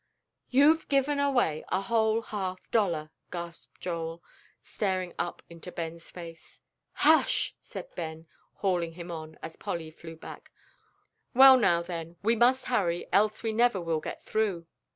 "You've given away a whole half dollar," gasped Joel, staring up into Ben's face. "Hush!" said Ben, hauling him on, as Polly flew back; "well, now, then, we must hurry, else we never will get through."